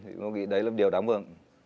tôi nghĩ đấy là một điều đáng mừng